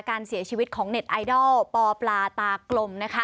การเสียชีวิตของเน็ตไอดอลปอปลาตากลมนะคะ